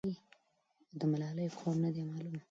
د ملالۍ قوم نه دی معلوم.